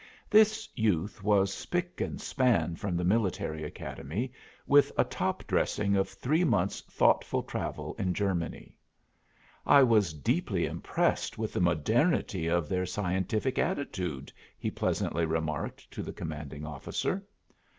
This youth was spic and span from the Military Academy, with a top dressing of three months' thoughtful travel in Germany. "I was deeply impressed with the modernity of their scientific attitude," he pleasantly remarked to the commanding officer.